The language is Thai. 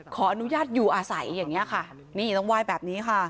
ขออนุญาตอยู่อาศัยอย่างนี้ค่ะนี่ต้องไหว้แบบนี้ค่ะ